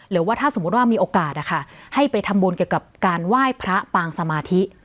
หรือว่าถ้าสมมุติว่ามีโอกาสให้ไปทำบุญเกี่ยวกับการไหว้พระปางสมาธิ